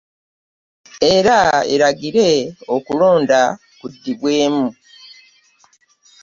Era eragire okulonda kuddibwemu.